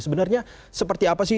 sebenarnya seperti apa sih